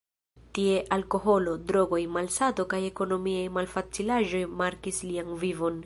Tie alkoholo, drogoj, malsato kaj ekonomiaj malfacilaĵoj markis lian vivon.